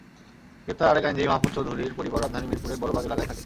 গ্রেপ্তার আরেক আইনজীবী মাহফুজ চৌধুরীর পরিবার রাজধানীর মিরপুরের বড়বাগ এলাকায় থাকে।